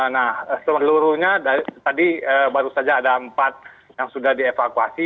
nah seluruhnya tadi baru saja ada empat yang sudah dievakuasi